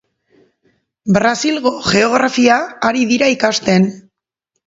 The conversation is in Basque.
Brasilgo geografia ari dira ikasten.